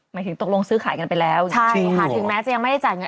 หมายถึงตกลงซื้อขายกันไปแล้วใช่ค่ะถึงแม้จะยังไม่ได้จ่ายเงิน